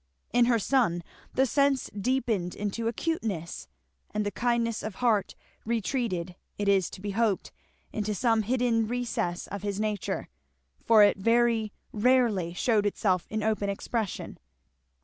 In her son the sense deepened into acuteness, and the kindness of heart retreated, it is to be hoped, into some hidden recess of his nature; for it very rarely shewed itself in open expression.